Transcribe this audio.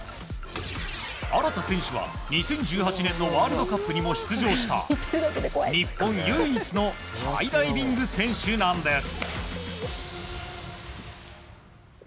荒田選手は２０１８年のワールドカップにも出場した日本唯一のハイダイビング選手なんです。